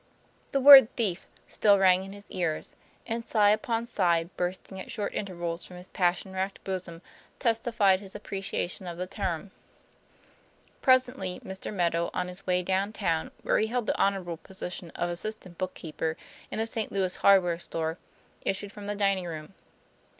The word "thief" still rang in his ears, and sigh upon sigh bursting at short intervals from his passion racked bosom testi fied his appreciation of the term. Presently Mr. Meadow, on his way down town, where he held the honorable position of assistant book keeper in a St. Louis hardware store, issued from the dining room.